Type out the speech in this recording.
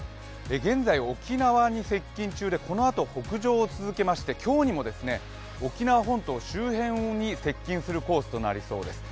現在、沖縄に接近中でこのあと北上を続けまして今日にも沖縄本島周辺に接近するコースとなりそうです。